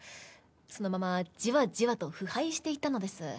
そのままジワジワと腐敗していったのです。